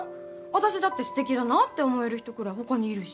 私だって素敵だなって思える人くらいほかにいるし。